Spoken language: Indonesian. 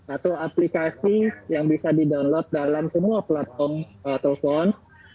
atau aplikasi yang bisa di download dalam semua platform telepon